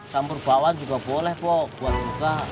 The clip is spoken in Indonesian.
campur bakwan juga boleh pok buat juga